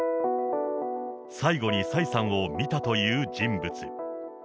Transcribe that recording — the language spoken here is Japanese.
最後に蔡さんを見たという人物。